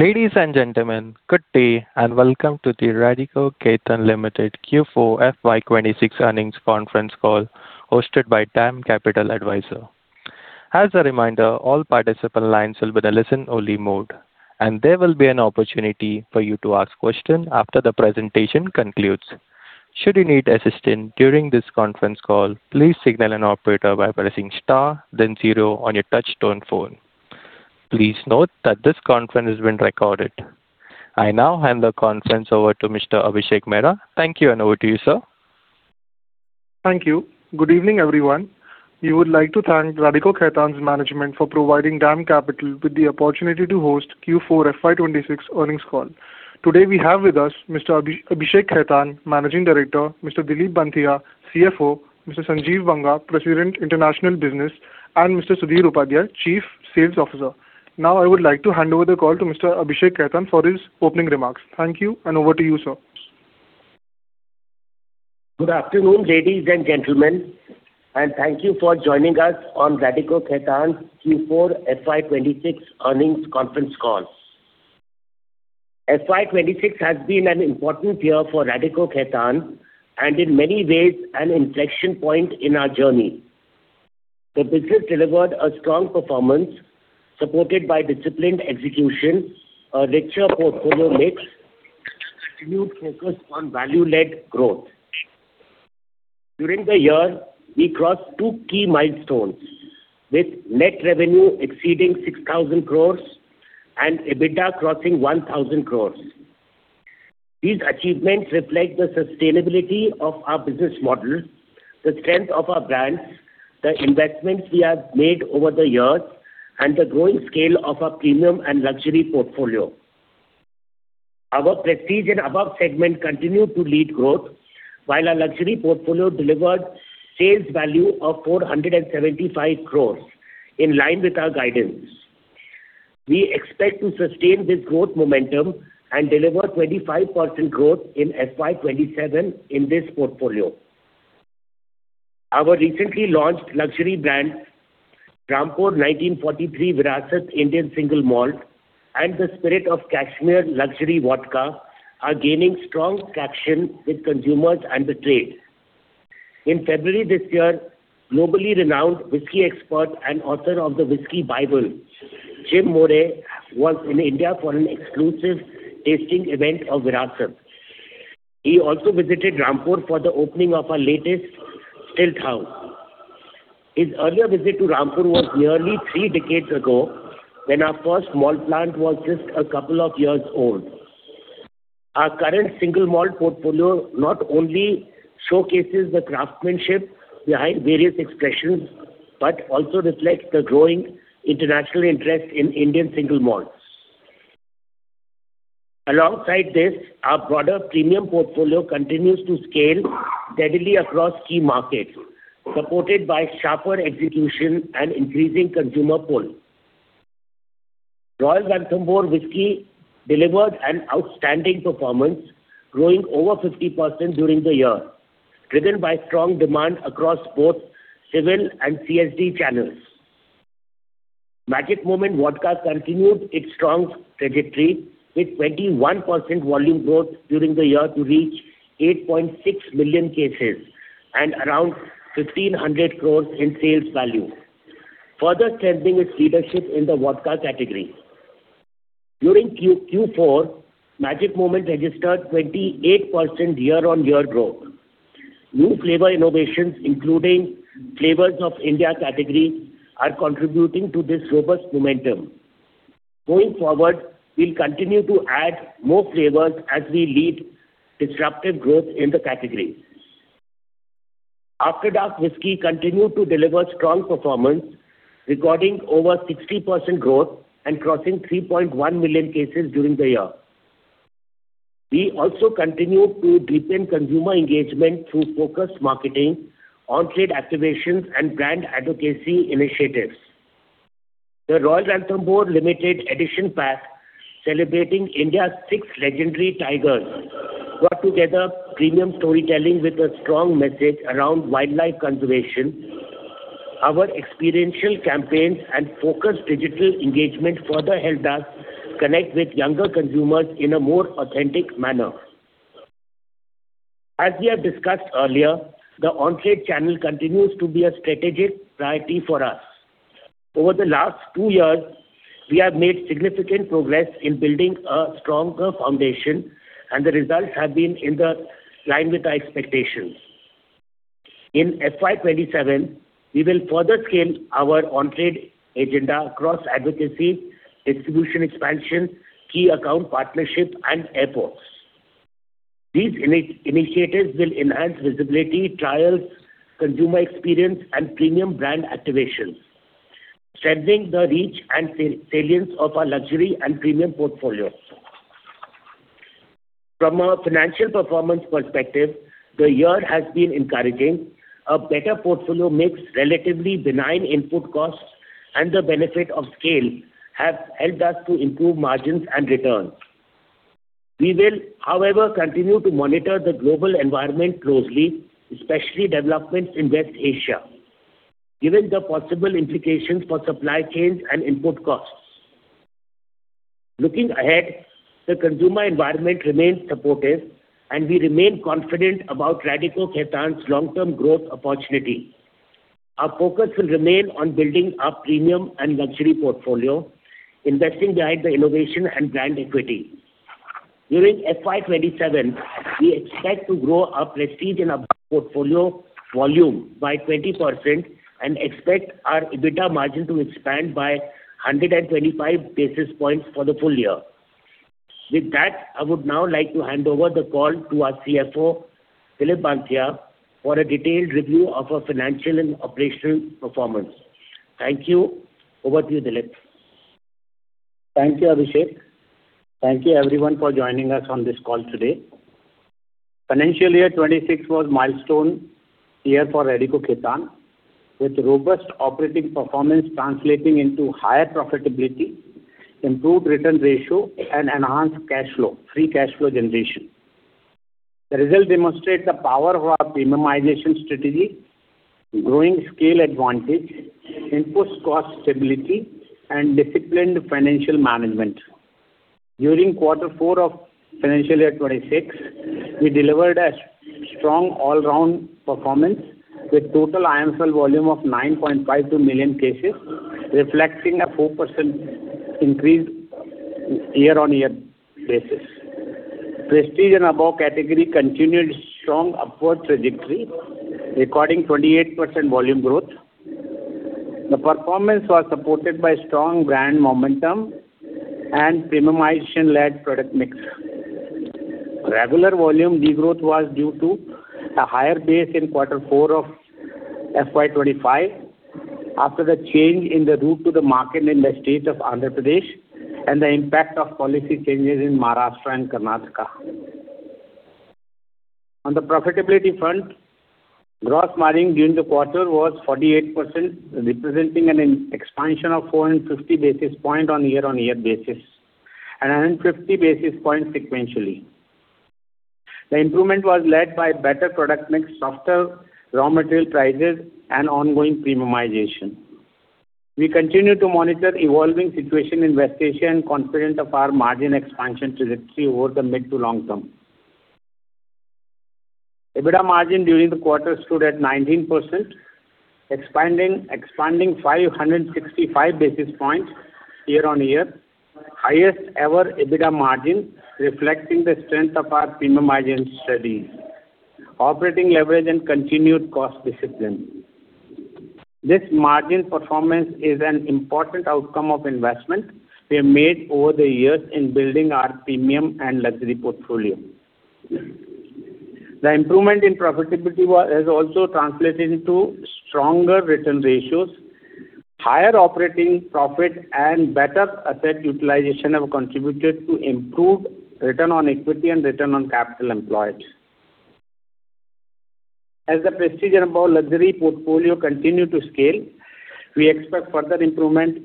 Ladies and gentlemen, good day, and welcome to the Radico Khaitan Limited Q4 FY 2026 Earnings Conference Call hosted by DAM Capital Advisors. As a reminder, all participant lines will be in a listen-only mode, and there will be an opportunity for you to ask question after the presentation concludes. Should you need assistance during this conference call, please signal an operator by pressing star then zero on your touchtone phone. Please note that this conference is being recorded. I now hand the conference over to Mr. Abhishek Mehra. Thank you, and over to you, sir. Thank you. Good evening, everyone. We would like to thank Radico Khaitan's management for providing DAM Capital with the opportunity to host Q4 FY 2026 earnings call. Today, we have with us Mr. Abhishek Khaitan, Managing Director, Mr. Dilip Banthiya, CFO, Mr. Sanjeev Banga, President, International Business, and Mr. Sudhir Upadhyay, Chief Sales Officer. Now, I would like to hand over the call to Mr. Abhishek Khaitan for his opening remarks. Thank you, and over to you, sir. Good afternoon, ladies and gentlemen, and thank you for joining us on Radico Khaitan's Q4 FY 2026 Earnings Conference Call. FY 2026 has been an important year for Radico Khaitan and in many ways an inflection point in our journey. The business delivered a strong performance supported by disciplined execution, a richer portfolio mix, and a continued focus on value-led growth. During the year, we crossed two key milestones with net revenue exceeding 6,000 crores and EBITDA crossing 1,000 crores. These achievements reflect the sustainability of our business model, the strength of our brands, the investments we have made over the years, and the growing scale of our premium and luxury portfolio. Our Prestige & Above segment continued to lead growth while our luxury portfolio delivered sales value of 475 crores in line with our guidance. We expect to sustain this growth momentum and deliver 25% growth in FY 2027 in this portfolio. Our recently launched luxury brand, Rampur 1943 Virasat Indian Single Malt and Spirit of Kashmyr Luxury Vodka are gaining strong traction with consumers and the trade. In February this year, globally renowned whisky expert and author of The Whisky Bible, Jim Murray, was in India for an exclusive tasting event of Virasat. He also visited Rampur for the opening of our latest still house. His earlier visit to Rampur was nearly three decades ago when our first malt plant was just a couple of years old. Our current single malt portfolio not only showcases the craftsmanship behind various expressions, but also reflects the growing international interest in Indian single malts. Alongside this, our broader premium portfolio continues to scale steadily across key markets, supported by sharper execution and increasing consumer pull. Royal Ranthambore Whiskey delivered an outstanding performance, growing over 50% during the year, driven by strong demand across both civil and CSD channels. Magic Moments Vodka continued its strong trajectory with 21% volume growth during the year to reach 8.6 million cases and around 1,500 crores in sales value, further strengthening its leadership in the vodka category. During Q4, Magic Moments registered 28% year-over-year growth. New flavor innovations, including Flavours of India category, are contributing to this robust momentum. Going forward, we'll continue to add more flavors as we lead disruptive growth in the category. After Dark Whiskey continued to deliver strong performance, recording over 60% growth and crossing 3.1 million cases during the year. We also continue to deepen consumer engagement through focused marketing, on-trade activations, and brand advocacy initiatives. The Royal Ranthambore limited edition pack celebrating India's six legendary tigers brought together premium storytelling with a strong message around wildlife conservation. Our experiential campaigns and focused digital engagement further helped us connect with younger consumers in a more authentic manner. As we have discussed earlier, the on-trade channel continues to be a strategic priority for us. Over the last two years, we have made significant progress in building a stronger foundation, and the results have been in the line with our expectations. In FY 2027, we will further scale our on-trade agenda across advocacy, distribution expansion, key account partnership, and airports. These initiatives will enhance visibility, trials, consumer experience, and premium brand activations, strengthening the reach and salience of our luxury and premium portfolio. From a financial performance perspective, the year has been encouraging. A better portfolio mix, relatively benign input costs, and the benefit of scale have helped us to improve margins and returns. We will, however, continue to monitor the global environment closely, especially developments in West Asia, given the possible implications for supply chains and input costs. Looking ahead, the consumer environment remains supportive, and we remain confident about Radico Khaitan's long-term growth opportunity. Our focus will remain on building our Prestige & Above portfolio, investing behind the innovation and brand equity. During FY 2027, we expect to grow our Prestige & Above portfolio volume by 20% and expect our EBITDA margin to expand by 125 basis points for the full year. With that, I would now like to hand over the call to our CFO, Dilip Banthiya, for a detailed review of our financial and operational performance. Thank you. Over to you, Dilip. Thank you, Abhishek. Thank you everyone for joining us on this call today. FY 2026 was milestone year for Radico Khaitan, with robust operating performance translating into higher profitability, improved return ratio, and enhanced cash flow, free cash flow generation. The result demonstrates the power of our premiumization strategy, growing scale advantage, input cost stability, and disciplined financial management. During Q4 of FY 2026, we delivered a strong all-round performance with total IMFL volume of 9.52 million cases, reflecting a 4% increase year-on-year basis. Prestige & Above category continued strong upward trajectory, recording 28% volume growth. The performance was supported by strong brand momentum and premiumization-led product mix. Regular volume degrowth was due to a higher base in quarter four of FY 2025 after the change in the route to the market in the state of Andhra Pradesh and the impact of policy changes in Maharashtra and Karnataka. On the profitability front, gross margin during the quarter was 48%, representing an expansion of 450 basis points on year-on-year basis and 150 basis points sequentially. The improvement was led by better product mix, softer raw material prices, and ongoing premiumization. We continue to monitor evolving situation in West Asia and confident of our margin expansion trajectory over the mid to long term. EBITDA margin during the quarter stood at 19%, expanding 565 basis points year-on-year, highest ever EBITDA margin, reflecting the strength of our premiumization strategies, operating leverage and continued cost discipline. This margin performance is an important outcome of investment we have made over the years in building our premium and luxury portfolio. The improvement in profitability has also translated into stronger return ratios. Higher operating profit and better asset utilization have contributed to improved return on equity and return on capital employed. As the Prestige & Above luxury portfolio continue to scale, we expect further improvement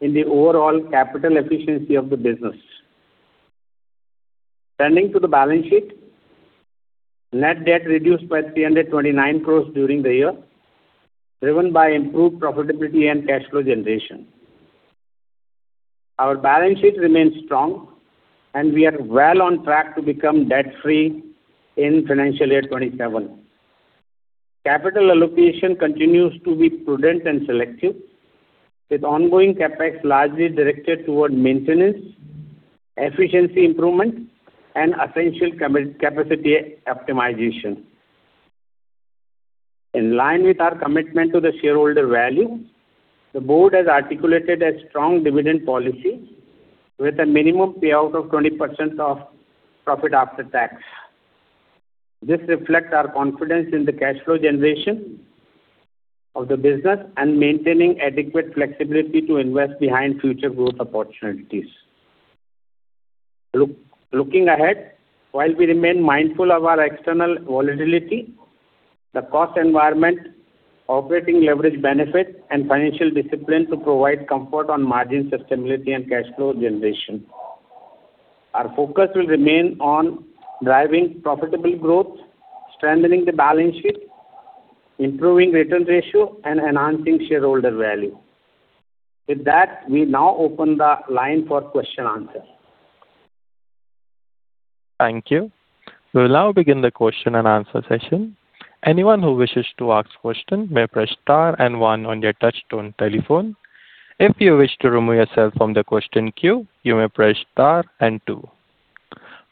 in the overall capital efficiency of the business. Turning to the balance sheet, net debt reduced by 329 crores during the year, driven by improved profitability and cash flow generation. Our balance sheet remains strong, and we are well on track to become debt-free in FY 2027. Capital allocation continues to be prudent and selective, with ongoing CapEx largely directed toward maintenance, efficiency improvement, and essential capacity optimization. In line with our commitment to the shareholder value, the Board has articulated a strong dividend policy with a minimum payout of 20% of profit after tax. This reflects our confidence in the cash flow generation of the business and maintaining adequate flexibility to invest behind future growth opportunities. Looking ahead, while we remain mindful of our external volatility, the cost environment, operating leverage benefits, and financial discipline to provide comfort on margin sustainability and cash flow generation. Our focus will remain on driving profitable growth, strengthening the balance sheet, improving return ratio, and enhancing shareholder value. With that, we now open the line for question answer. Thank you. We will now begin the question-and-answer session. Anyone who wishes to ask question may press star and one on your touchtone telephone. If you wish to remove yourself from the question queue, you may press star and two.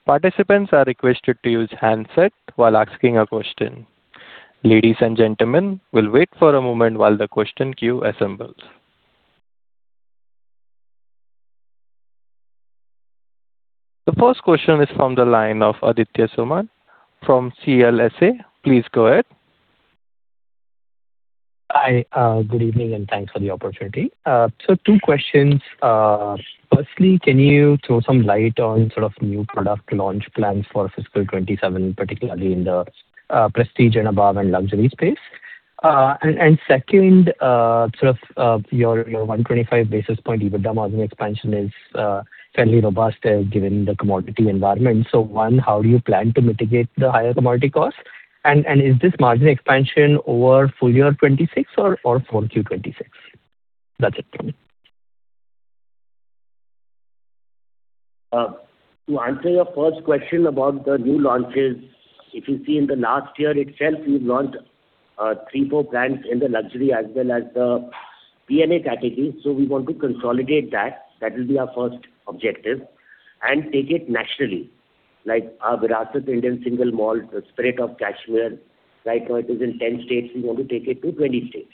Participants are requested to use handset while asking a question. Ladies and gentlemen, we will wait for a moment while the question queue assembles. The first question is from the line of Aditya Soman from CLSA. Please go ahead. Hi. Good evening, and thanks for the opportunity. Two questions. Firstly, can you throw some light on new product launch plans for FY 2027, particularly in the Prestige & Above and luxury space? Second, your 125 basis point EBITDA margin expansion is fairly robust given the commodity environment. One, how do you plan to mitigate the higher commodity cost? Is this margin expansion over full FY 2026 or full Q 2026? That's it. To answer your first question about the new launches, if you see in the last year itself, we've launched three, four brands in the luxury as well as the PNA category. We want to consolidate that. That will be our first objective, and take it nationally. Like our Virasat Indian Single Malt, The Spirit of Kashmyr, right now it is in 10 states. We want to take it to 20 states.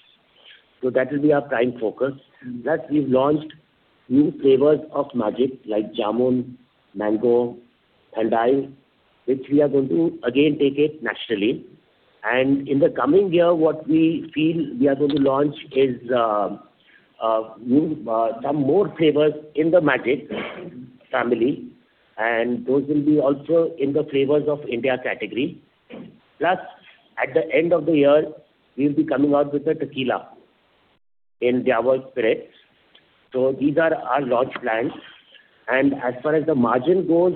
That will be our prime focus. Plus we've launched new flavors of Magic like Jamun, Mango, Thandai, which we are going to again take it nationally. In the coming year, what we feel we are going to launch is new, some more flavors in the Magic family, and those will be also in the Flavors of India category. At the end of the year, we'll be coming out with the tequila in D'YAVOL Spirits. These are our launch plans. As far as the margin goes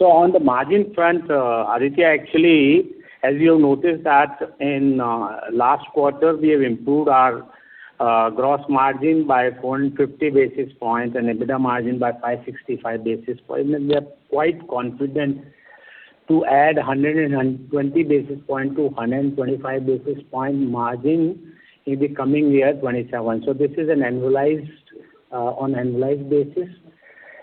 on the margin front, Aditya, actually, as you have noticed that in last quarter, we have improved our gross margin by 450 basis points and EBITDA margin by 565 basis point, and we are quite confident to add 120 basis point to 125 basis point margin in the coming year 2027. This is an annualized on annualized basis.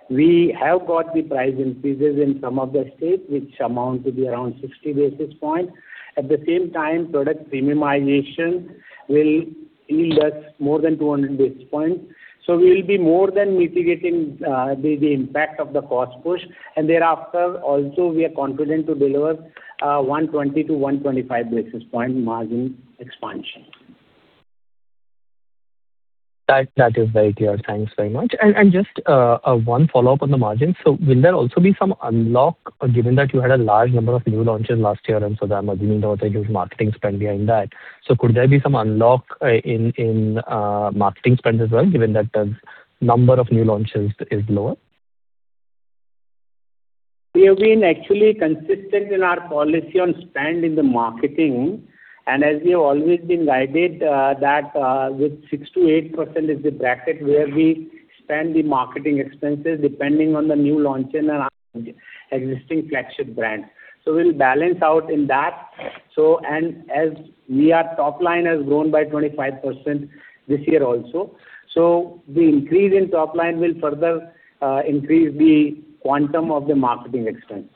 We have got the price increases in some of the states which amount to be around 60 basis points. At the same time, product premiumization will yield us more than 200 basis points. We'll be more than mitigating the impact of the cost push. Thereafter also we are confident to deliver 120-125 basis point margin expansion. That is very clear. Thanks very much. Just one follow-up on the margin. Will there also be some unlock given that you had a large number of new launches last year, and so I am assuming there was a huge marketing spend behind that. Could there be some unlock in marketing spend as well, given that the number of new launches is lower? We have been actually consistent in our policy on spend in the marketing. As we have always been guided that, with 6%-8% is the bracket where we spend the marketing expenses depending on the new launch and our existing flagship brand. We will balance out in that. As our top line has grown by 25% this year also, the increase in top line will further increase the quantum of the marketing expense.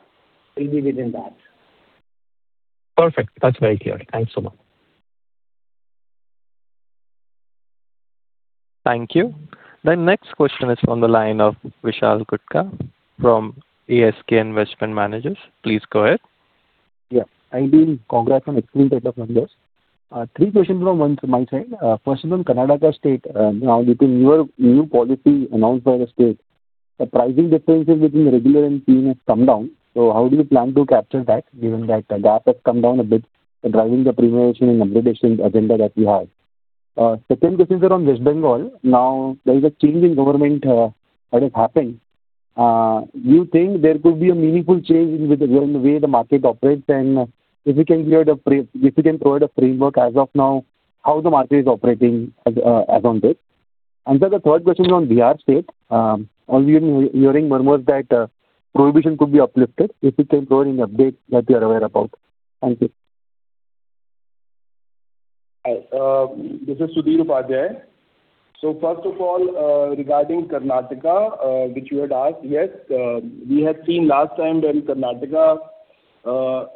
We will be within that. Perfect. That's very clear. Thanks so much. Thank you. The next question is from the line of Vishal Gutka from ASK Investment Managers. Please go ahead. Ideally congrats on excellent set of numbers. Three questions from my side. First one on Karnataka State. Now with the newer new policy announced by the state, the pricing differences between regular and premium has come down, so how do you plan to capture that given that the gap has come down a bit, driving the premiumization and upgradation agenda that you have? Second question is around West Bengal. Now, there is a change in government that has happened. Do you think there could be a meaningful change in the way the market operates? If you can provide a framework as of now how the market is operating as on date. Sir, the third question is on Bihar State. Are we hearing murmurs that prohibition could be uplifted? If you can provide any update that you are aware about. Thank you. Hi, this is Sudhir Upadhyay. First of all, regarding Karnataka, which you had asked. Yes, we had seen last time when Karnataka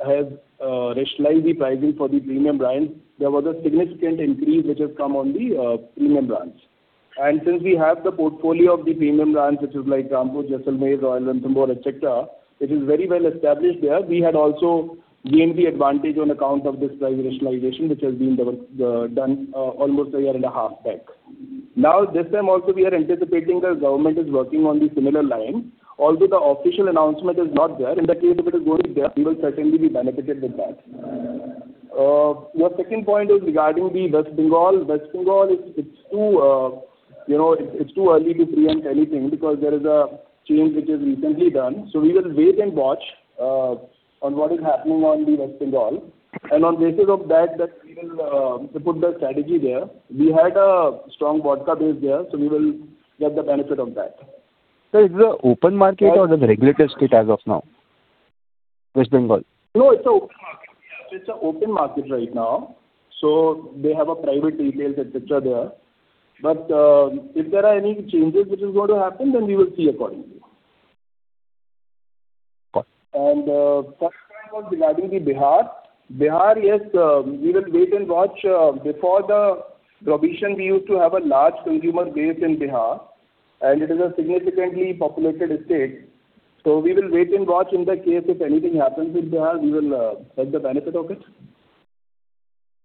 has rationalized the pricing for the premium brands, there was a significant increase which has come on the premium brands. Since we have the portfolio of the premium brands, which is like Rampur, Jaisalmer, Royal Ranthambore, et cetera, it is very well established there. We had also gained the advantage on account of this price rationalization, which has been done almost a year and a half back. This time also, we are anticipating the government is working on the similar lines. Although the official announcement is not there, in the case if it is going there, we will certainly be benefited with that. Your second point is regarding the West Bengal. West Bengal, it's too early to preempt anything because there is a change which is recently done. We will wait and watch on what is happening on the West Bengal. On basis of that, we will put the strategy there. We had a strong vodka base there, so we will get the benefit of that. Sir, is it a open market or is it regulated state as of now? West Bengal. No, it's a open market. Yes, it's a open market right now, so they have a private retailers, et cetera, there. If there are any changes which is going to happen, then we will see accordingly. Got it. Third one was regarding the Bihar. Bihar, yes, we will wait and watch. Before the prohibition, we used to have a large consumer base in Bihar, and it is a significantly populated state. We will wait and watch in the case if anything happens with Bihar, we will get the benefit of it.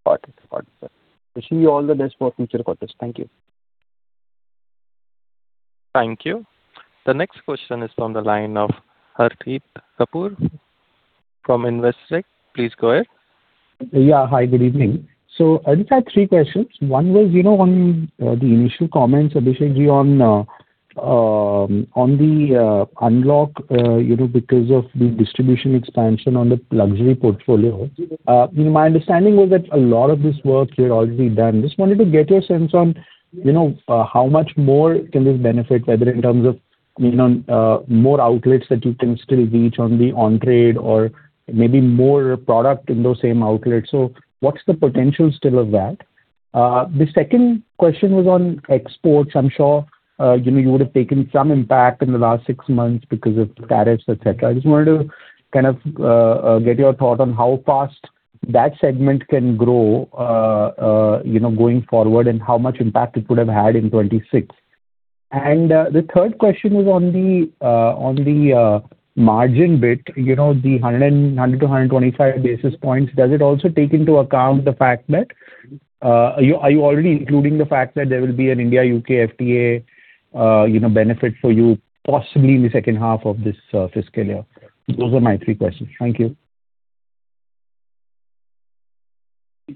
Got it. Got it, sir. Wishing you all the best for future quarters. Thank you. Thank you. The next question is from the line of Harit Kapoor from Investec. Please go ahead. Hi, good evening. I just had three questions. One was on the initial comments, Abhishek ji, on the unlock because of the distribution expansion on the luxury portfolio. My understanding was that a lot of this work you had already done. Just wanted to get your sense on how much more can this benefit, whether in terms of more outlets that you can still reach on the on-trade or maybe more product in those same outlets. What's the potential still of that? The second question was on exports. I'm sure you would have taken some impact in the last six months because of tariffs, et cetera. I just wanted to kind of get your thought on how fast that segment can grow, you know, going forward and how much impact it would have had in '26. The third question was on the margin bit. The 100-125 basis points. Does it also take into account the fact that, are you already including the fact that there will be an India-U.K. FTA benefit for you possibly in the second half of this fiscal year? Those are my three questions. Thank you.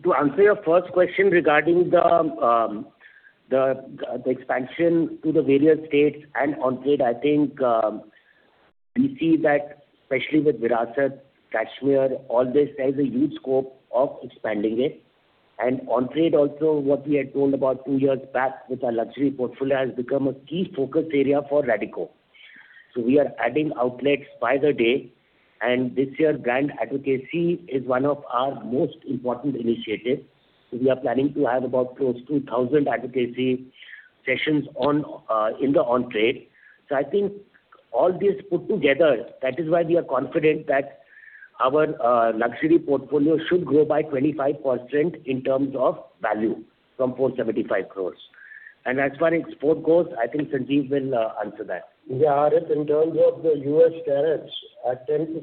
To answer your first question regarding the expansion to the various states and on-trade, I think, we see that especially with Virasat, Kashmyr, all this, there's a huge scope of expanding it. On-trade also, what we had told about two years back with our luxury portfolio has become a key focus area for Radico. We are adding outlets by the day, and this year brand advocacy is one of our most important initiatives. We are planning to have about close to 1,000 advocacy sessions in the on-trade. I think all this put together, that is why we are confident that our luxury portfolio should grow by 25% in terms of value from 475 crores. As far as export goes, I think Sanjeev will answer that. Harit, in terms of the U.S. tariffs, at 10%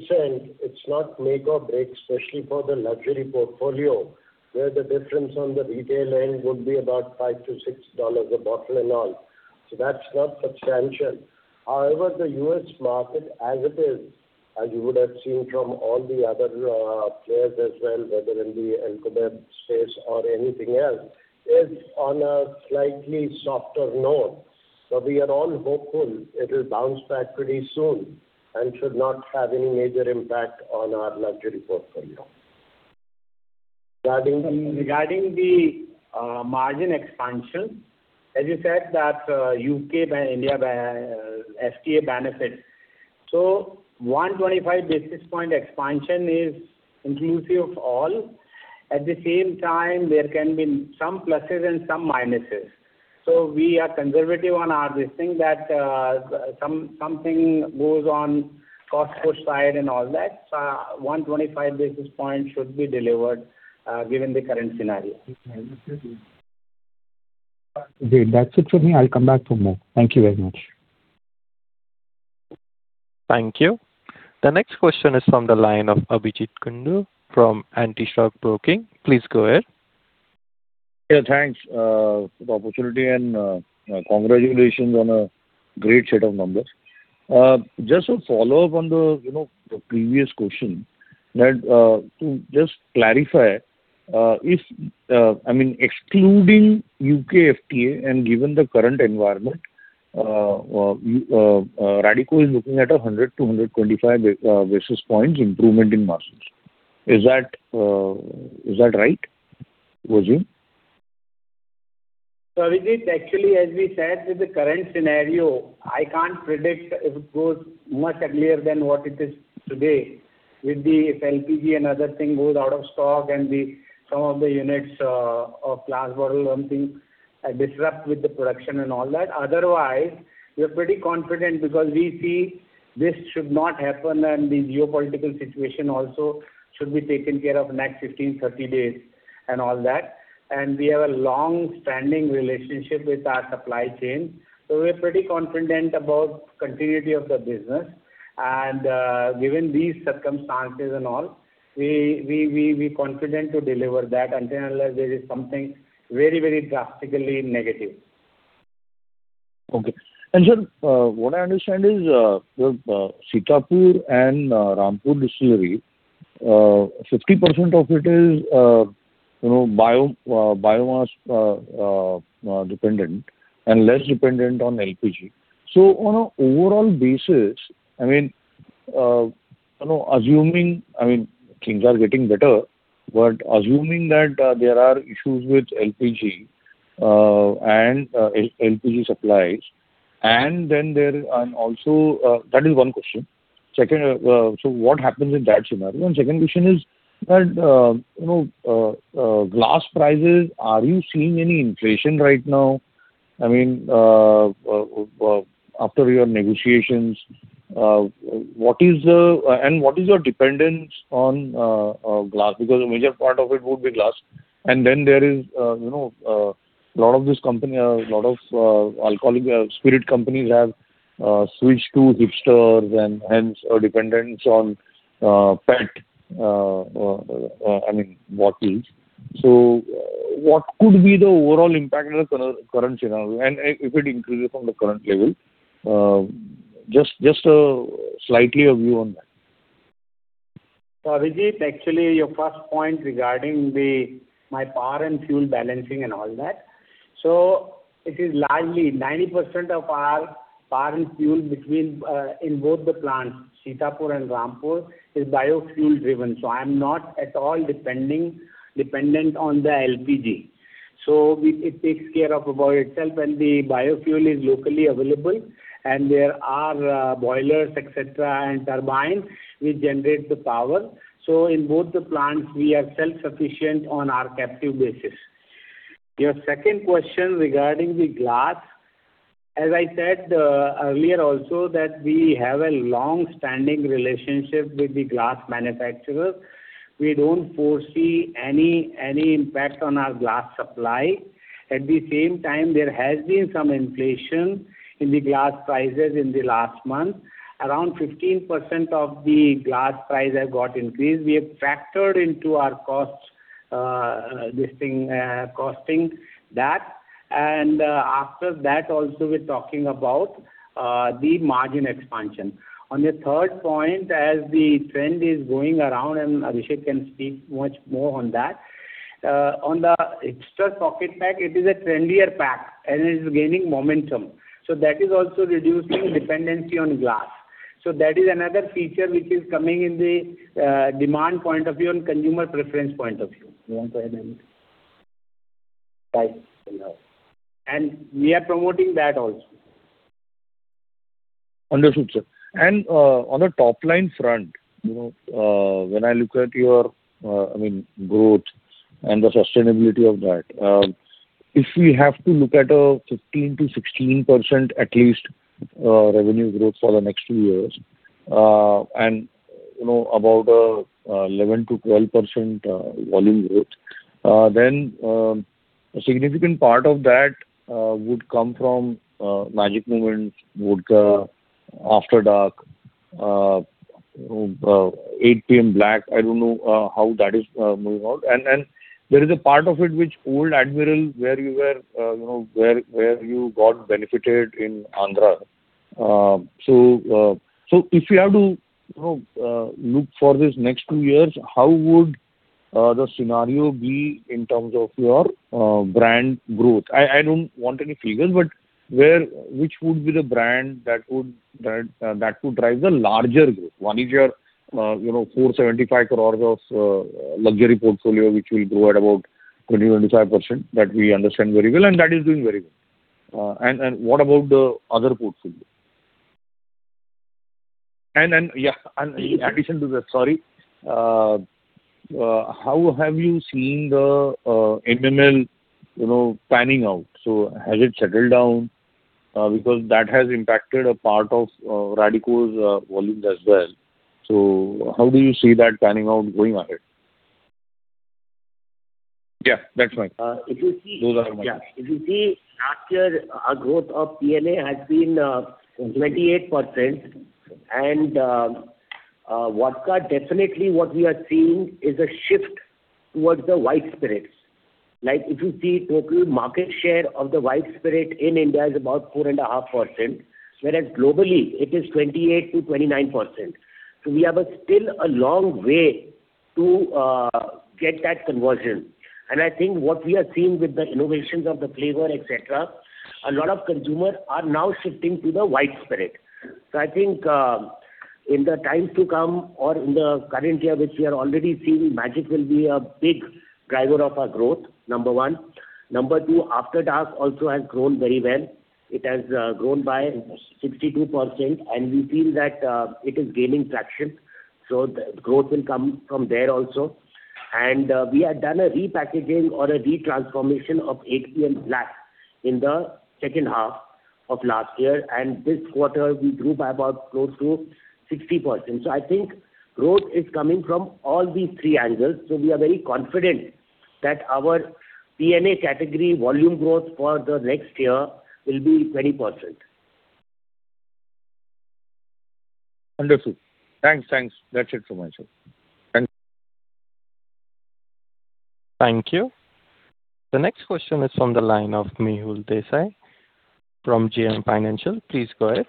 it's not make or break, especially for the luxury portfolio, where the difference on the retail end would be about $5-$6 a bottle and all. That's not substantial. The U.S. market as it is, as you would have seen from all the other players as well, whether in the alcohol space or anything else, is on a slightly softer note. We are all hopeful it will bounce back pretty soon and should not have any major impact on our luxury portfolio. Regarding the margin expansion, as you said that, U.K.-India by FTA benefits. 125 basis point expansion is inclusive of all. At the same time, there can be some pluses and some minuses. We are conservative on our listing that something goes on cost push side and all that. 125 basis points should be delivered, given the current scenario. Great. That's it from me. I'll come back for more. Thank you very much. Thank you. The next question is from the line of Abhijeet Kundu from Antique Stock Broking. Please go ahead. Yeah, thanks for the opportunity and congratulations on a great set of numbers. Just a follow-up on the, you know, the previous question that to just clarify, if, I mean, excluding U.K. FTA and given the current environment, Radico is looking at 100-125 basis points improvement in margins. Is that right, [Sanjeev]? Abhijeet, actually, as we said, with the current scenario, I can't predict if it goes much uglier than what it is today with the if LPG and other thing goes out of stock and the some of the units of glass bottle and things are disrupt with the production and all that. Otherwise, we're pretty confident because we see this should not happen and the geopolitical situation also should be taken care of next 15, 30 days and all that. We have a long-standing relationship with our supply chain, we're pretty confident about continuity of the business. Given these circumstances and all, we confident to deliver that until and unless there is something very drastically negative. Sir, what I understand is the Sitapur and Rampur Distillery, 50% of it is biomass dependent and less dependent on LPG. On an overall basis, assuming things are getting better, but assuming that there are issues with LPG and LPG supplies, that is one question. Second, what happens in that scenario? Second question is that glass prices, are you seeing any inflation right now? After your negotiations, what is the and what is your dependence on glass? Because a major part of it would be glass. There is, you know, lot of this company, lot of alcoholic spirit companies have switched to hip flasks and hence are dependents on PET bottles. What could be the overall impact of the current scenario and if it increases from the current level? Just a slightly a view on that. Abhijeet, actually your first point regarding the my power and fuel balancing and all that. It is largely 90% of our power and fuel between, in both the plants, Sitapur and Rampur, is biofuel-driven. I'm not at all dependent on the LPG. It takes care of about itself and the biofuel is locally available, and there are boilers, et cetera, and turbines which generates the power. In both the plants we are self-sufficient on our captive basis. Your second question regarding the glass. As I said earlier also that we have a longstanding relationship with the glass manufacturer. We don't foresee any impact on our glass supply. At the same time, there has been some inflation in the glass prices in the last month. Around 15% of the glass price have got increased. We have factored into our costs, this thing, costing that. After that also we're talking about, the margin expansion. On your third point, as the trend is going around, and Abhishek can speak much more on that. On the extra pocket pack, it is a trendier pack and it is gaining momentum. That is also reducing dependency on glass. That is another feature which is coming in the demand point of view and consumer preference point of view. Right. We are promoting that also. Understood, sir. On a top-line front, you know, when I look at your, I mean, growth and the sustainability of that, if we have to look at a 15%-16% at least, revenue growth for the next 2 years, and you know, about a 11%-12% volume growth, then a significant part of that would come from Magic Moments vodka, After Dark, 8PM Black. I don't know how that is moving on. There is a part of it which Old Admiral, where you were where you got benefited in Andhra. If you have to, you know, look for this next two years, how would the scenario be in terms of your brand growth? I don't want any figures, which would be the brand that would drive the larger growth? One is your, you know, 475 crores of luxury portfolio, which will grow at about 20%-25%. That we understand very well, and that is doing very well. What about the other portfolio? In addition to that, sorry. How have you seen the MML panning out? Has it settled down? Because that has impacted a part of Radico's volumes as well. How do you see that panning out going ahead? Yeah, that's fine. If you see last year our growth of PNA has been 28%. Vodka definitely what we are seeing is a shift towards the white spirits. Like if you see total market share of the white spirit in India is about 4.5%, whereas globally it is 28%-29%. We have a still a long way to get that conversion. I think what we are seeing with the innovations of the flavor, et cetera, a lot of consumers are now shifting to the white spirit. I think in the times to come or in the current year, which we are already seeing, Magic Moments will be a big driver of our growth, number one. Number two, After Dark also has grown very well. It has grown by 62%, and we feel that it is gaining traction, so growth will come from there also. We have done a repackaging or a retransformation of 8PM Premium Black in the second half of last year, and this quarter we grew by about close to 60%. I think growth is coming from all these three angles. We are very confident that our PNA category volume growth for the next year will be 20%. Understood. Thanks. That's it from my side. Thank you. Thank you. The next question is from the line of Mehul Desai from JM Financial. Please go ahead.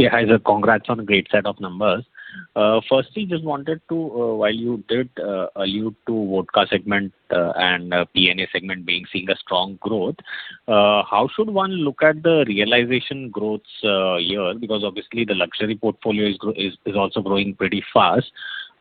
Hi sir. Congrats on a great set of numbers. Firstly, just wanted to, while you did allude to vodka segment and P&A segment being seeing a strong growth, how should one look at the realization growths here? Because obviously, the luxury portfolio is also growing pretty fast.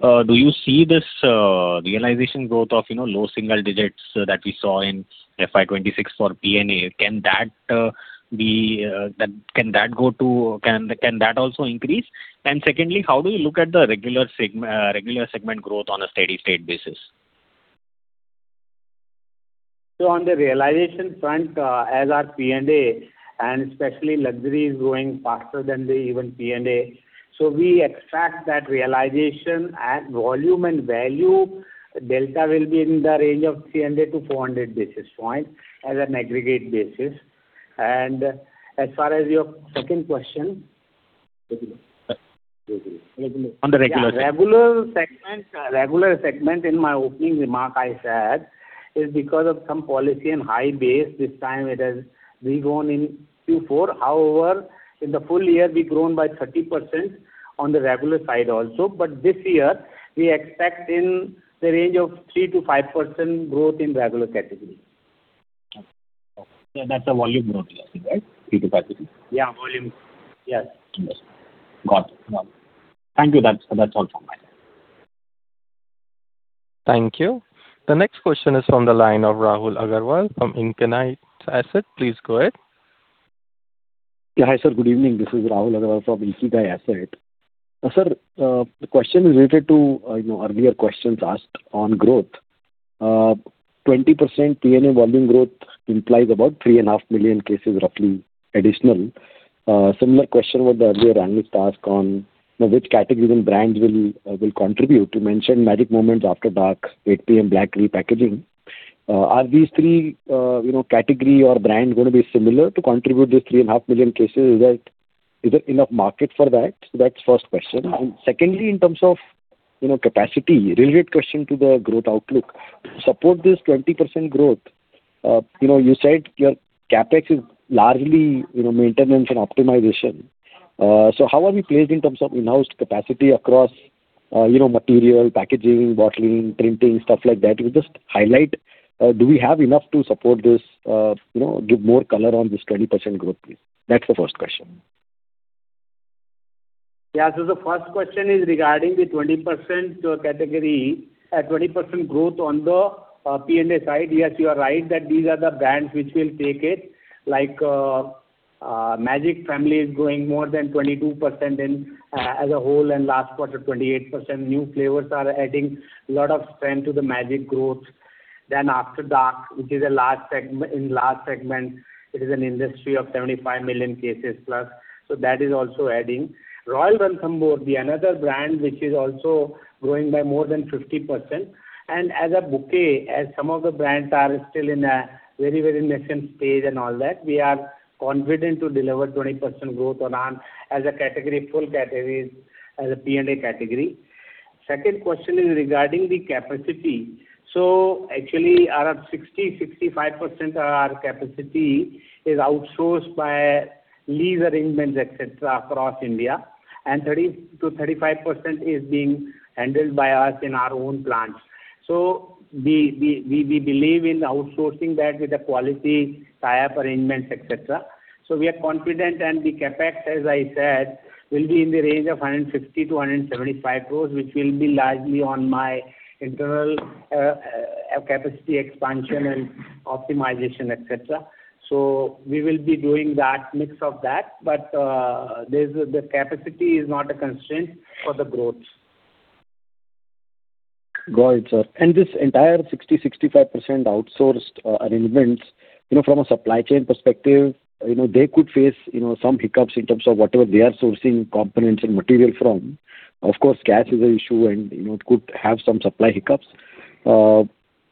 Do you see this realization growth of, you know, low single digits that we saw in FY 2026 for P&A? Can that be that Can that also increase? Secondly, how do you look at the regular segment growth on a steady state basis? On the realization front, as our PNA and especially luxury is growing faster than the even PNA. We expect that realization at volume and value delta will be in the range of 300-400 basis point as an aggregate basis. As far as your second question. Regular. Re-regular. Regular segment, regular segment in my opening remark I said is because of some policy and high base, this time it has regrown in Q4. However, in the full year we've grown by 30% on the regular side also. This year we expect in the range of 3%-5% growth in regular category. Okay. That's a volume growth you're saying, right? 3%-5%. Volume. Yes. Understood. Got it. Yeah. Thank you. That's all from my side. Thank you. The next question is from the line of Rahul Agarwal from Ikigai Asset. Please go ahead. Hi, sir. Good evening. This is Rahul Agarwal from Ikigai Asset. Sir, the question related to, you know, earlier questions asked on growth. 20% PNA volume growth implies about 3.5 million cases roughly additional. Similar question about the earlier analyst ask on, you know, which category and brands will contribute. You mentioned Magic Moments, After Dark, 8PM Black repackaging. Are these three, you know, category or brand gonna be similar to contribute this 3.5 million cases? Is there enough market for that? That's first question. Secondly, in terms of, you know, capacity, related question to the growth outlook. To support this 20% growth, you know, you said your CapEx is largely maintenance and optimization. How are we placed in terms of in-house capacity across, you know, material, packaging, bottling, printing, stuff like that? You just highlight, do we have enough to support this? You know, give more color on this 20% growth, please. That's the first question. The first question is regarding the 20% category. At 20% growth on the PNA side, yes, you are right that these are the brands which will take it. Like, Magic family is growing more than 22% in as a whole, and last quarter, 28%. New flavors are adding a lot of strength to the Magic growth. After Dark, which is a large in large segment, it is an industry of 75 million+ cases, that is also adding. Royal Ranthambore, the another brand which is also growing by more than 50%. As a bouquet, as some of the brands are still in a very nascent stage and all that, we are confident to deliver 20% growth or on as a category, full categories, as a PNA category. Second question is regardi%ng the capacity. Actually around 60%-65% of our capacity is outsourced by lease arrangements, et cetera, across India, and 30%-35% is being handled by us in our own plants. We believe in outsourcing that with the quality tie-up arrangements, et cetera. We are confident, and the CapEx, as I said, will be in the range of 160-175 crores, which will be largely on my internal capacity expansion and optimization, et cetera. We will be doing that mix of that. There's the capacity is not a constraint for the growth. Got it, sir. This entire 60%-65% outsourced arrangements, you know, from a supply chain perspective, you know, they could face some hiccups in terms of whatever they are sourcing components and material from. Of course, cash is an issue and it could have some supply hiccups.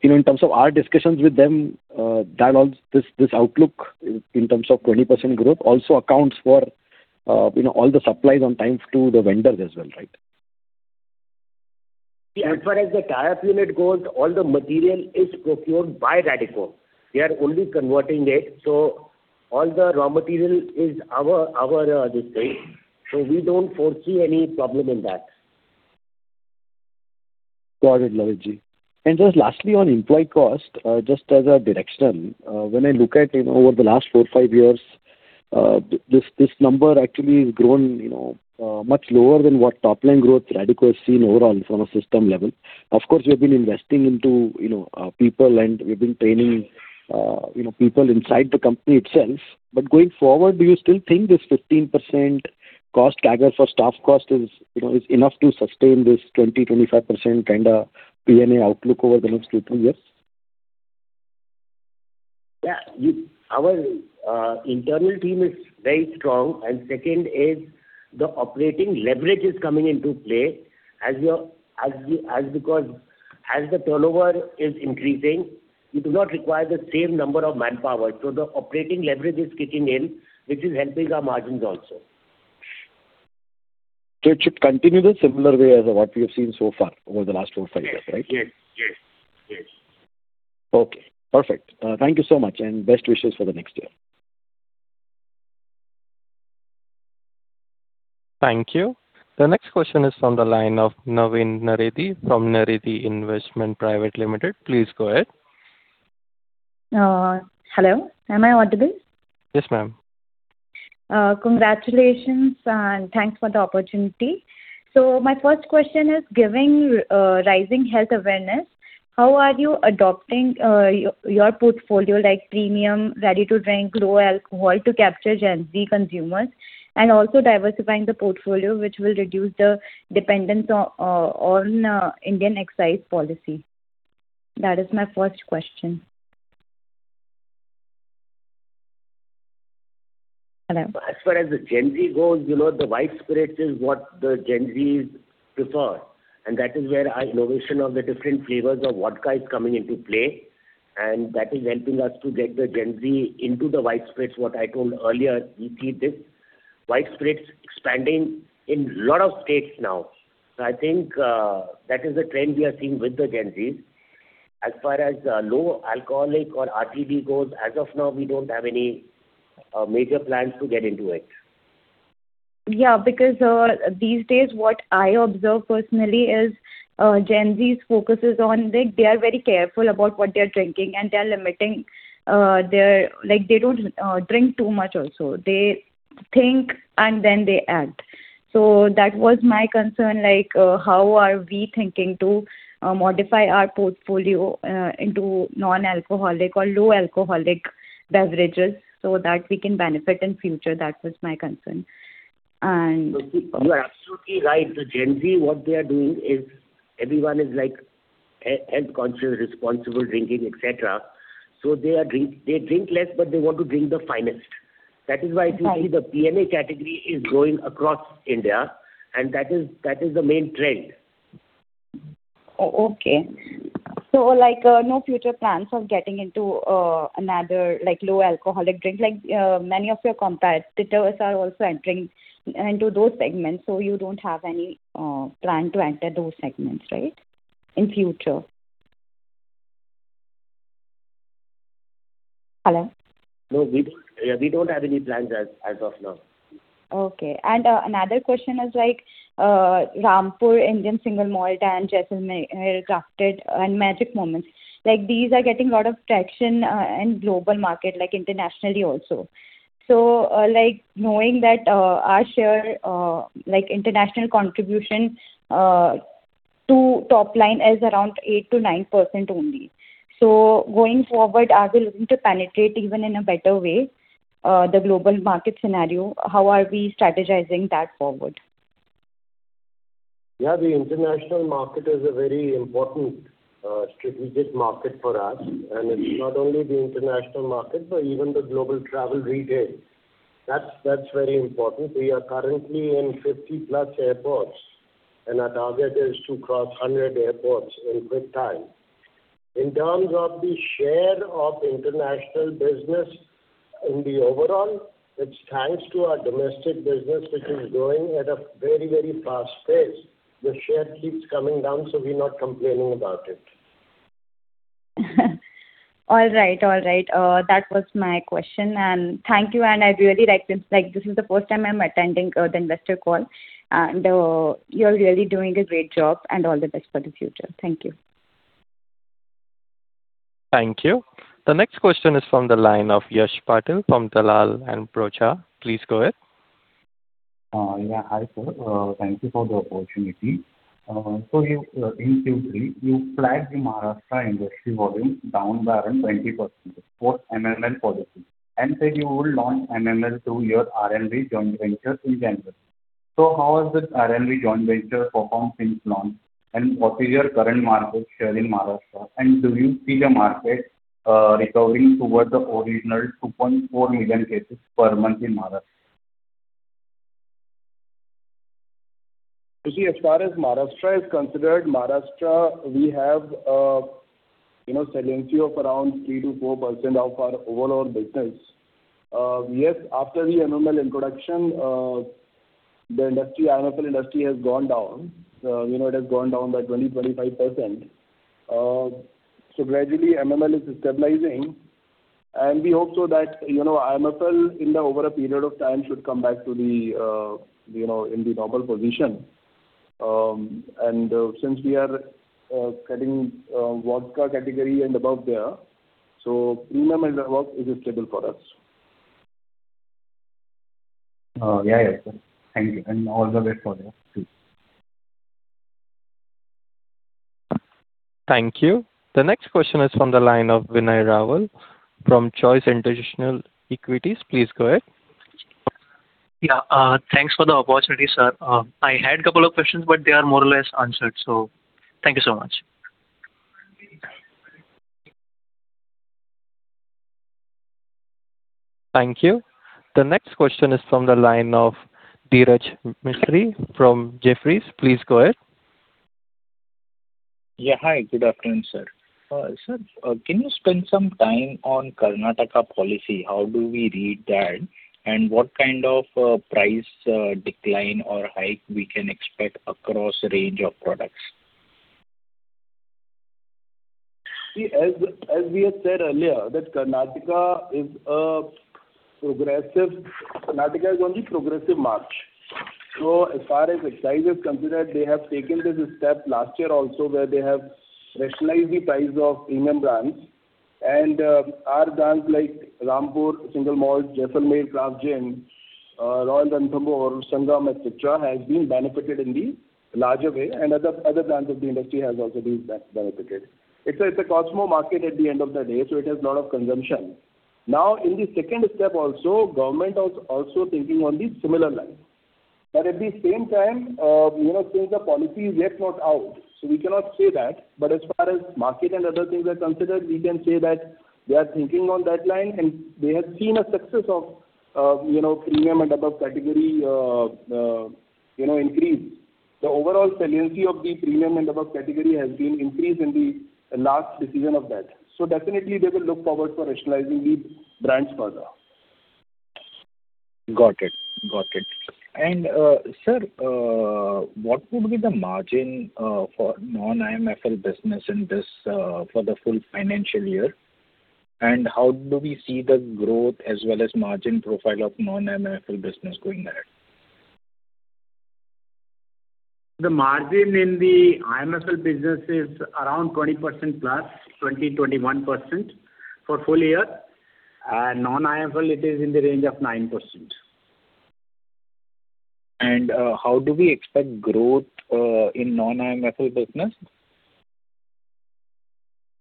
In terms of our discussions with them, this outlook in terms of 20% growth also accounts for all the supplies on time to the vendors as well, right? As far as the tie-up unit goes, all the material is procured by Radico. We are only converting it. All the raw material is our this thing. We don't foresee any problem in that. Got it, Dilip. Just lastly, on employee cost, just as a direction, when I look at, you know, over the last four, five years, this number actually has grown, you know, much lower than what top line growth Radico has seen overall from a system level. Of course, we've been investing into, you know, people and we've been training people inside the company itself. Going forward, do you still think this 15% cost CAGR for staff cost is, you know, is enough to sustain this 20%-25% kinda PNA outlook over the next two, three years? Yeah. Our internal team is very strong. Second is the operating leverage is coming into play as the turnover is increasing, you do not require the same number of manpower. The operating leverage is kicking in, which is helping our margins also. It should continue the similar way as what we have seen so far over the last four to five years, right? Yes. Okay. Perfect. Thank you so much, and best wishes for the next year. Thank you. The next question is from the line of Navani Naredi from Naredi Investment Private Limited. Please go ahead. Hello. Am I audible? Yes, ma'am. Congratulations and thanks for the opportunity. My first question is giving rising health awareness, how are you adopting your portfolio like premium ready to drink low alcohol to capture Gen Z consumers and also diversifying the portfolio which will reduce the dependence on Indian excise policy? That is my first question. Hello? As far as the Gen Z goes the white spirits is what the Gen Zs prefer, and that is where our innovation of the different flavors of vodka is coming into play. That is helping us to get the Gen Z into the wide spreads, what I told earlier, we see this wide spreads expanding in lot of states now. I think that is the trend we are seeing with the Gen Z. As far as low alcoholic or RTD goes, as of now, we don't have any major plans to get into it. Because these days, what I observe personally is, Gen Z's focus is on like they are very careful about what they're drinking, and they're limiting their, they don't drink too much also. They think and then they act. That was my concern how are we thinking to modify our portfolio into non-alcoholic or low alcoholic beverages so that we can benefit in future. That was my concern. You are absolutely right. The Gen Z, what they are doing is everyone is like, health conscious, responsible drinking, et cetera. They drink less, but they want to drink the finest. That is why you see the P&A category is growing across India, and that is the main trend. Okay. Like, no future plans of getting into another like low alcoholic drink. Many of your competitors are also entering into those segments. You don't have any plan to enter those segments, right? In future. Hello? No, we don't. Yeah, we don't have any plans as of now. Okay. Another question is like, Rampur Indian Single Malt and Jaisalmer Craft Gin and Magic Moments, like these are getting a lot of traction, in global market, like internationally also. Like knowing that, our share, like international contribution, to top line is around 8%-9% only. Going forward, are we looking to penetrate even in a better way, the global market scenario? How are we strategizing that forward? The international market is a very important strategic market for us. It's not only the international market, but even the global travel retail. That's very important. We are currently in 50+ airports, and our target is to cross 100 airports in quick time. In terms of the share of international business in the overall, it's thanks to our domestic business which is growing at a very, very fast pace. The share keeps coming down, so we're not complaining about it. All right. All right. That was my question, thank you, I really like this. This is the first time I'm attending the investor call, you're really doing a great job, all the best for the future. Thank you. Thank you. The next question is from the line of Yash Patil from Dalal & Broacha. Please go ahead. Hi, sir. Thank you for the opportunity. You in Q3, you flagged the Maharashtra industry volume down by around 20% post MML policy and said you would launch MML through your D'Yavol joint venture in January. How has this D'Yavol joint venture performed since launch, and what is your current market share in Maharashtra, and do you see the market recovering towards the original 2.4 million cases per month in Maharashtra? You see, as far as Maharashtra is considered, Maharashtra we have, you know, resiliency of around 3%-4% of our overall business. Yes, after the MML introduction, the industry, IMFL industry has gone down. It has gone down by 20%-25%. Gradually MML is stabilizing, and we hope so that IMFL in the over a period of time should come back to the, you know, in the normal position. Since we are cutting vodka category and above there, so premium and above is stable for us. Yes, sir. Thank you, and all the best for you too. Thank you. The next question is from the line of Vinay Rawal from Choice Institutional Equities. Please go ahead. Thanks for the opportunity, sir. I had couple of questions, but they are more or less answered. Thank you so much. Thank you. The next question is from the line of Dhiraj Mistry from Jefferies. Please go ahead. Yeah. Hi. Good afternoon, sir. sir, can you spend some time on Karnataka policy? How do we read that, what kind of price decline or hike we can expect across range of products? See, as we have said earlier, Karnataka is on the progressive march. As far as excise is considered, they have taken this step last year also where they have rationalized the price of premium brands. Our brands like Rampur, Single Malt, Jaisalmer Indian Craft Gin, Royal Ranthambore, Sangam, et cetera, have been benefited in the larger way, and other brands of the industry have also been benefited. It's a Cosmo market at the end of the day, it has lot of consumption. Now in the second step also, government also thinking on the similar lines. At the same time, you know, since the policy is yet not out, we cannot say that. As far as market and other things are considered, we can say that they are thinking on that line, and they have seen a success of Prestige & Above category increase. The overall saliency of the Prestige & Above category has been increased in the last decision of that. Definitely they will look forward to rationalizing the brands further. Got it. Got it. Sir, what would be the margin for non-IMFL business in this, for the full financial year? How do we see the growth as well as margin profile of non-IMFL business going ahead? The margin in the IMFL business is around 20%+, 20%-21% for full year. Non-IMFL, it is in the range of 9%. How do we expect growth in non-IMFL business?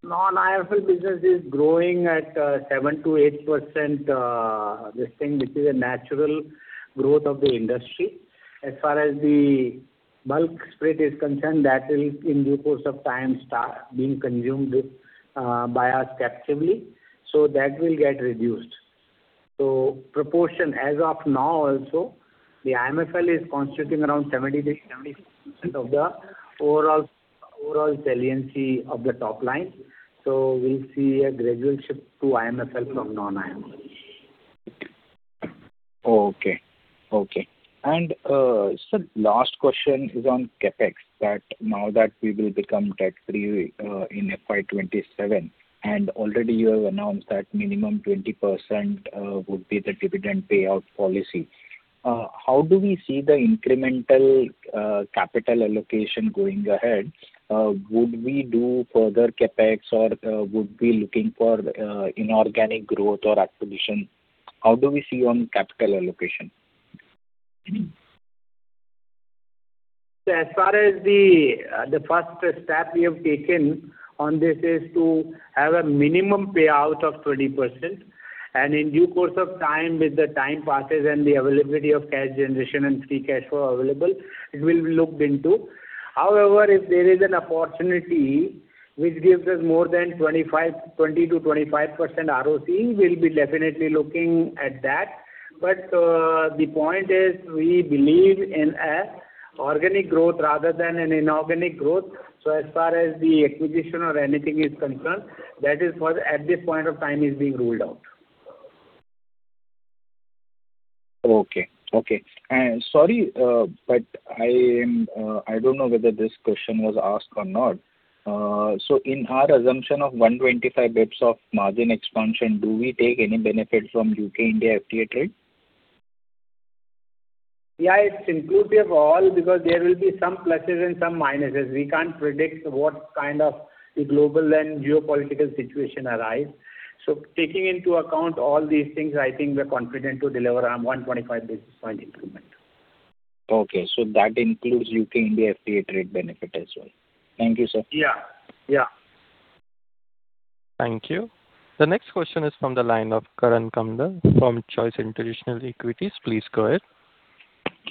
Non-IMFL business is growing at 7%-8%, this thing which is a natural growth of the industry. As far as the bulk spirit is concerned, that will in due course of time start being consumed by us captively, so that will get reduced. Proportion as of now also, the IMFL is constituting around 70%-75% of the overall saliency of the top line. We'll see a gradual shift to IMFL from non-IMFL. Okay. Okay. Sir, last question is on CapEx, that now that we will become debt-free, in FY 2027, and already you have announced that minimum 20%, would be the dividend payout policy. How do we see the incremental, capital allocation going ahead? Would we do further CapEx or, would be looking for, inorganic growth or acquisition? How do we see on capital allocation? As far as the first step we have taken on this is to have a minimum payout of 20%. In due course of time, with the time passes and the availability of cash generation and free cash flow available, it will be looked into. If there is an opportunity which gives us more than 25%, 20%-25% ROC, we'll be definitely looking at that. The point is we believe in a organic growth rather than an inorganic growth. As far as the acquisition or anything is concerned, at this point of time is being ruled out. I don't know whether this question was asked or not. In our assumption of 125 basis points of margin expansion, do we take any benefit from U.K.-India FTA trade? It's inclusive of all because there will be some pluses and some minuses. We can't predict what kind of the global and geopolitical situation arise. Taking into account all these things, I think we are confident to deliver on 125 basis point improvement. Okay. That includes U.K.-India FTA trade benefit as well. Thank you, sir Thank you. The next question is from the line of Karan Kamdar from Choice Institutional Equities. Please go ahead.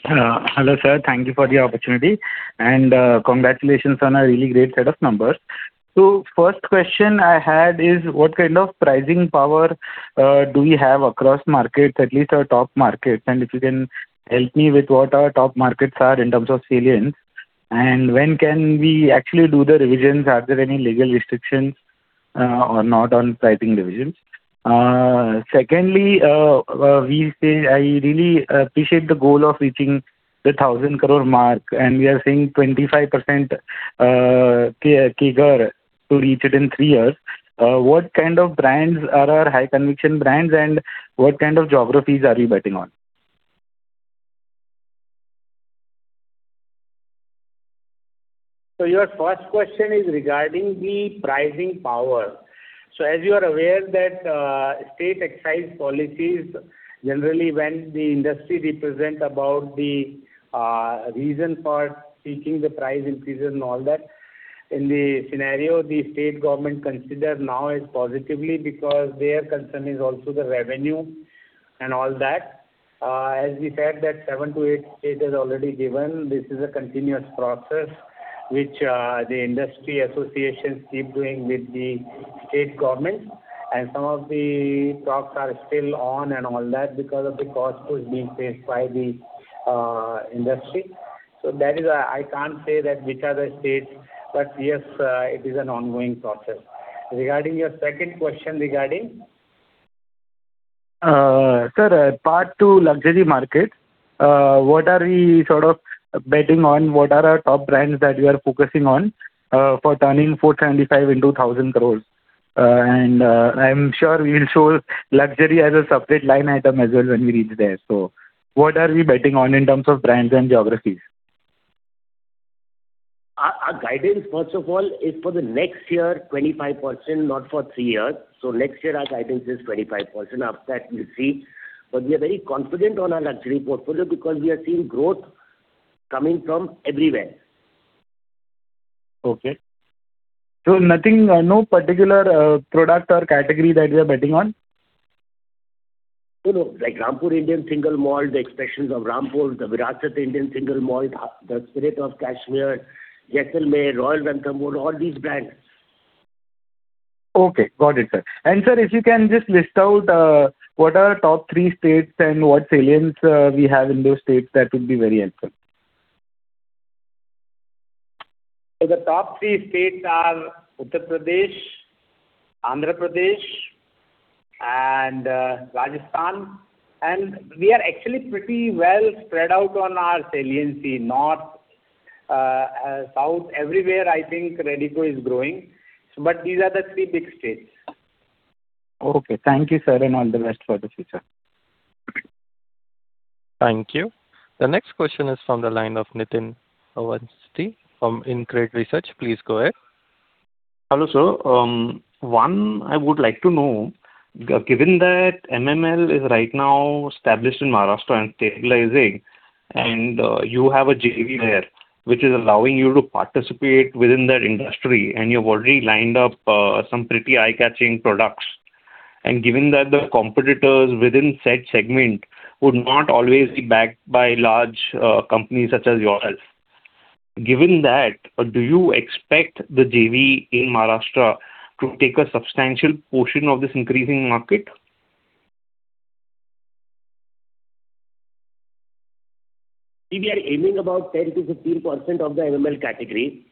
Hello, sir. Thank you for the opportunity. Congratulations on a really great set of numbers. First question I had is what kind of pricing power do we have across markets, at least our top markets? If you can help me with what our top markets are in terms of salience. When can we actually do the revisions? Are there any legal restrictions or not on pricing revisions? Secondly, we say I really appreciate the goal of reaching the 1,000 crore mark, and we are seeing 25% CAGR to reach it in three years. What kind of brands are our high conviction brands, and what kind of geographies are we betting on? Your first question is regarding the pricing power. As you are aware that, state excise policies, generally when the industry represent about the reason for seeking the price increases and all that, in the scenario the state government consider now is positively because their concern is also the revenue and all that. As we said that seven to eight state has already given, this is a continuous process which the industry associations keep doing with the state governments. Some of the talks are still on and all that because of the cost push being faced by the industry. That is I can't say that which are the states, but yes, it is an ongoing process. Regarding your second question regarding? Sir, part two luxury market, what are we sort of betting on? What are our top brands that we are focusing on for turning 475 crores into 1,000 crores? I'm sure we'll show luxury as a separate line item as well when we reach there. What are we betting on in terms of brands and geographies? Our guidance first of all is for the next year, 25%, not for three years. Next year our guidance is 25%. After that we will see. We are very confident on our luxury portfolio because we are seeing growth coming from everywhere. Okay. Nothing, no particular product or category that we are betting on? No, no. Like Rampur Indian Single Malt, the Expressions of Rampur, the Virasat Indian Single Malt, The Spirit of Kashmyr, Jaisalmer, Royal Ranthambore, all these brands. Okay, got it, sir. Sir, if you can just list out, what are top three states and what salients we have in those states, that would be very helpful. The top three states are Uttar Pradesh, Andhra Pradesh, and Rajasthan. We are actually pretty well spread out on our saliency. North, south, everywhere I think Radico is growing. These are the three big states. Okay. Thank you, sir, and all the best for the future. Thank you. The next question is from the line of Nitin Awasthi from InCred Research. Please go ahead. Hello, sir. One, I would like to know, given that MML is right now established in Maharashtra and stabilizing, and you have a JV there which is allowing you to participate within that industry, and you've already lined up some pretty eye-catching products. Given that the competitors within said segment would not always be backed by large companies such as yourself, given that, do you expect the JV in Maharashtra to take a substantial portion of this increasing market? We are aiming about 10%-15% of the MML category.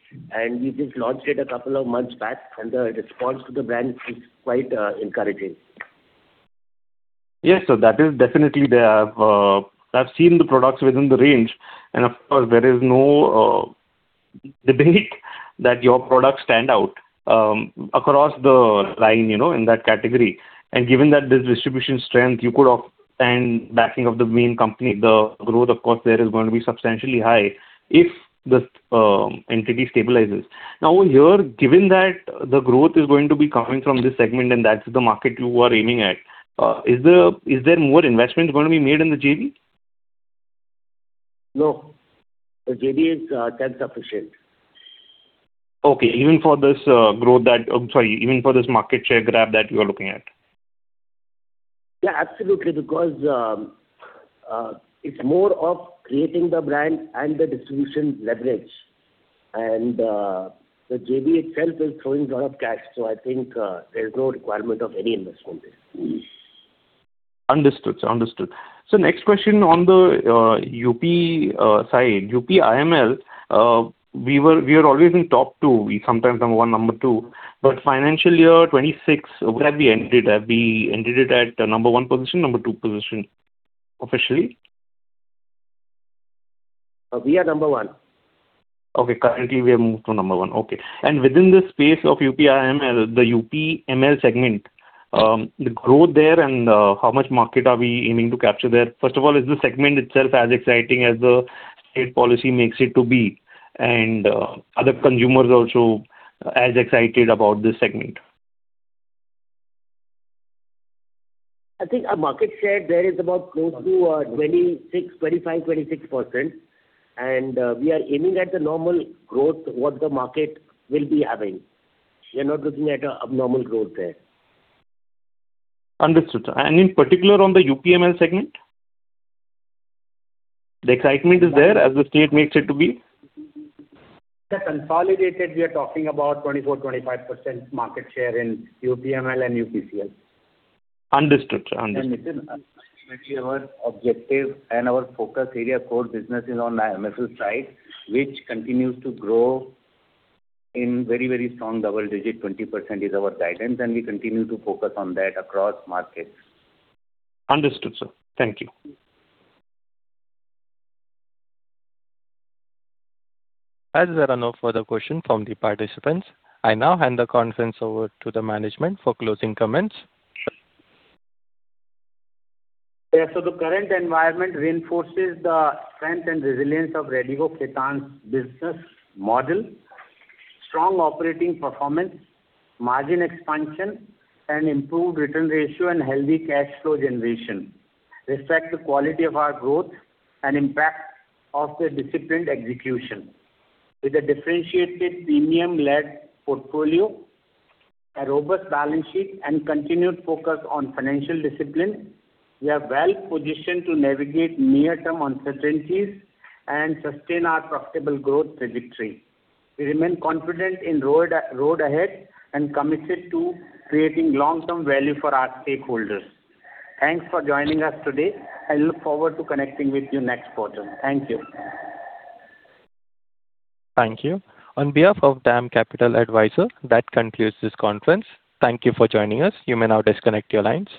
We just launched it a couple of months back and the response to the brand is quite encouraging. Yes, sir, that is definitely there. I've seen the products within the range, and of course, there is no debate that your products stand out across the line, you know, in that category. Given that this distribution strength you could obtain backing of the main company, the growth of course there is going to be substantially high if this entity stabilizes. Now here, given that the growth is going to be coming from this segment and that's the market you are aiming at, is there more investment going to be made in the JV? No. The JV is self-sufficient. Okay. Even for this, growth that I'm sorry, even for this market share grab that you are looking at? Yeah, absolutely. It's more of creating the brand and the distribution leverage, and the JV itself is throwing a lot of cash. I think there's no requirement of any investment there. Understood, sir. Understood. Next question on the UP side. UP IML, we are always in top two. We sometimes number one, number two. Financial year 2026, where have we ended at? We ended it at number one position, number two position officially? We are number one. Okay, currently we have moved to number one. Okay. Within the space of UP IML, the UP ML segment, the growth there and how much market are we aiming to capture there? First of all, is the segment itself as exciting as the state policy makes it to be and are the consumers also as excited about this segment? Our market share there is about close to 26%, 25%, 26%. We are aiming at the normal growth what the market will be having. We are not looking at a abnormal growth there. Understood, sir. In particular on the UP ML segment? The excitement is there as the state makes it to be? The consolidated, we are talking about 24%-25% market share in UP ML and UP CL. Nitin, ultimately our objective and our focus area core business is on IMFL side, which continues to grow in very, very strong double digit. 20% is our guidance, and we continue to focus on that across markets. Understood, sir. Thank you. As there are no further questions from the participants, I now hand the conference over to the management for closing comments. The current environment reinforces the strength and resilience of Radico Khaitan's business model, strong operating performance, margin expansion and improved return ratio and healthy cash flow generation. Respect the quality of our growth and impact of the disciplined execution. With a differentiated premium-led portfolio, a robust balance sheet and continued focus on financial discipline, we are well-positioned to navigate near-term uncertainties and sustain our profitable growth trajectory. We remain confident in road ahead and committed to creating long-term value for our stakeholders. Thanks for joining us today. I look forward to connecting with you next quarter. Thank you. Thank you. On behalf of DAM Capital Advisors, that concludes this conference. Thank you for joining us. You may now disconnect your lines.